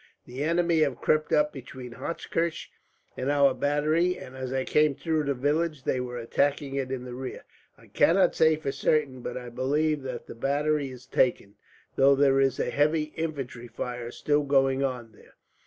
The enemy have crept up between Hochkirch and our battery, and as I came through the village they were attacking it in rear. I cannot say for certain, but I believe that the battery is taken, though there is a heavy infantry fire still going on there."